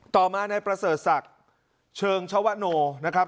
ต่อมานายประเสริฐศักดิ์เชิงชวโนนะครับ